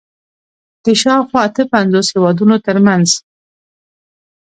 د شاوخوا اته پنځوس هېوادونو تر منځ